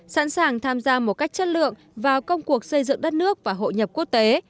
sẵn sàng tham gia một cách chất lượng vào công cuộc xây dựng đất nước và hội nhập quốc tế